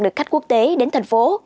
lượt khách quốc tế đến thành phố